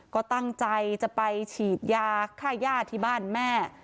ก็ตั้งใจจะไปฉีดยาค่าย่าที่บ้านแม่